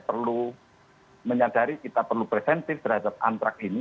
perlu menyadari kita perlu preventif terhadap antrak ini